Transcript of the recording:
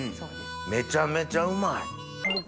めちゃめちゃうまい。